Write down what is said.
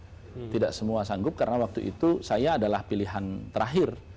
jadi saya tidak sanggup sanggup karena waktu itu saya adalah pilihan terakhir